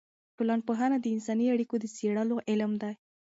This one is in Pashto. ټولنپوهنه د انساني اړیکو د څېړلو علم دی.